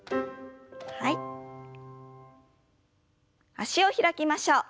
脚を開きましょう。